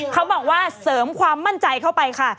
เขาบอกว่าเสริมความมั่นใจเข้าไปค่ะ